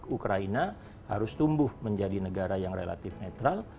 ukraina harus tumbuh menjadi negara yang relatif netral